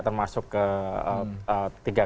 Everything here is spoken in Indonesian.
termasuk ke tiga kategori